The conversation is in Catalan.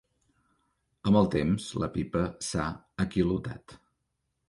Amb el temps la pipa s'ha aquilotat.